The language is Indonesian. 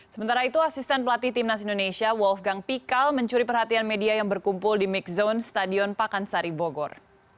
sementara itu asisten pelatih timnas indonesia wolfgang pikal mencuri perhatian media yang berkumpul di mix zone stadion pakansari bogor